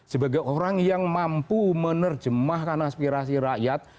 sebagai orang yang mampu menerjemahkan aspirasi rakyat